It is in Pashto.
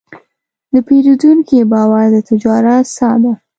د پیرودونکي باور د تجارت ساه ده.